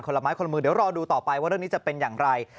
ละไม้คนละมือเดี๋ยวรอดูต่อไปว่าเรื่องนี้จะเป็นอย่างไร